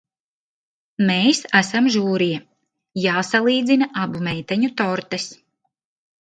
Mēs esam žūrija, jāsalīdzina abu meiteņu tortes.